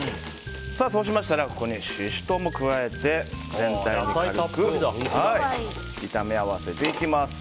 そうしましたらここにシシトウも加えて、全体を炒め合わせていきます。